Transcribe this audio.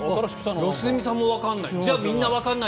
良純さんもわからない。